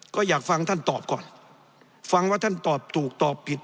ก็อยากฟังท่านตอบก่อนฟังว่าท่านตอบถูกตอบผิด